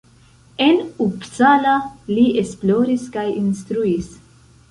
En Uppsala li esploris kaj instruis.